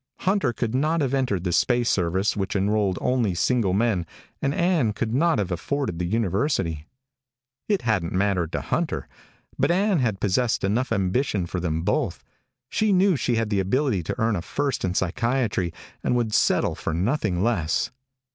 Hunter could not have entered the space service, which enrolled only single men and Ann could not have afforded the university. It hadn't mattered to Hunter. But Ann had possessed enough ambition for them both. She knew she had the ability to earn a First in Psychiatry, and would settle for nothing less.